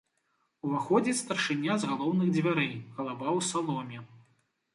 Уваходзіць старшыня з галоўных дзвярэй, галава ў саломе.